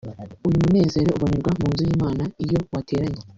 uyu munezero ubonerwa mu nzu y’Imana iyo wateranye